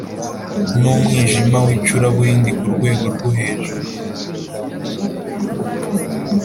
n umwijima w icuraburindi ku rwego rwo hejuru